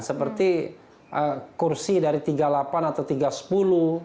seperti kursi dari tiga puluh delapan atau tiga puluh